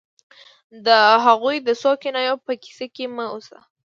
د هغوی د څو کنایو په کیسه کې مه اوسه